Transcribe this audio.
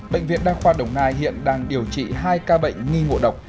bệnh viện đa khoa đồng nai hiện đang điều trị hai ca bệnh nghi ngộ độc